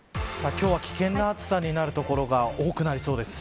今日は、危険な暑さになる所が多くなりそうです。